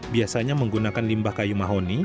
biasanya menggunakan limbah kayu mahoni